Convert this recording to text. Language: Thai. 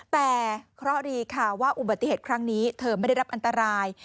แต่เคราะห์ดีค่ะว่าอุบัติเหตุครั้งนี้เธอไม่ได้รับอันตราย